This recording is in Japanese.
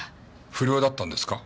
不良だったんですか？